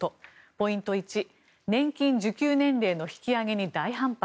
ポイント１年金受給年齢の引き上げに大反発